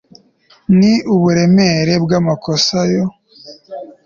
n'uburemere bw' amakosa yo